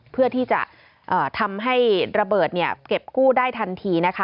เพื่อที่จะทำให้ระเบิดเก็บกู้ได้ทันทีนะคะ